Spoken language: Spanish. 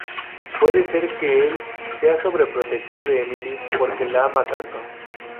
Puede ser que el sea sobre protector de Emily porque la ama tanto.